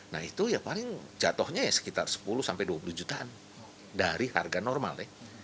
nah itu ya paling jatuhnya ya sekitar sepuluh sampai dua puluh jutaan dari harga normal